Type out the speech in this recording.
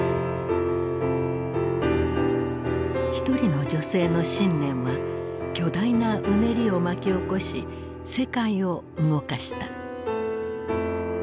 一人の女性の信念は巨大なうねりを巻き起こし世界を動かした。